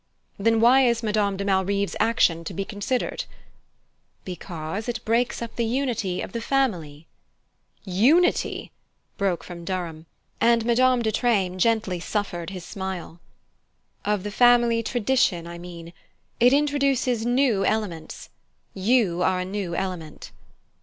"Then why is Madame de Malrive's action to be considered?" "Because it breaks up the unity of the family." "Unity !" broke from Durham; and Madame de Treymes gently suffered his smile. "Of the family tradition, I mean: it introduces new elements. You are a new element."